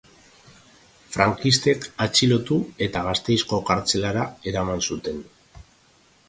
Frankistek atxilotu eta Gasteizko kartzelara eraman zuten.